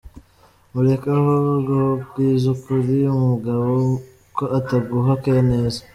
mureke ahub wo bwizuukuri umugabo ko ataguha care neza.